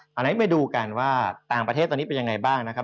อันนี้มาดูกันว่าต่างประเทศตอนนี้เป็นยังไงบ้างนะครับ